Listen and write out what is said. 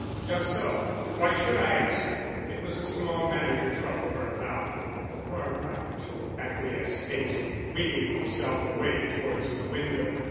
"Just so. Why should I ask her? It was a small matter to trouble her about." "You are right," acquiesced Hazen, wheeling himself away towards the window.